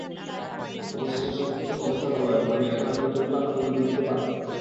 অবশেষে সবকিছুর অবসান হলো এবং এখন আমি নতুন ক্লাবে মনোযোগ দিতে পারব।